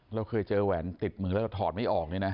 เราเคยเจอแหวนติดมือแล้วเราถอดไม่ออกเนี่ยนะ